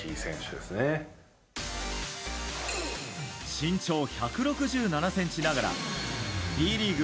身長１６７ｃｍながらＢリーグ